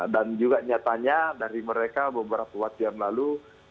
dan juga nyatanya dari mereka beberapa waktu yang lalu